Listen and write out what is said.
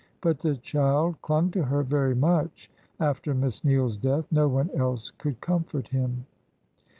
But the child clung to her very much after Miss Neale's death; no one else could comfort him."